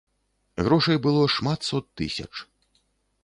Грошай было шмат сот тысяч.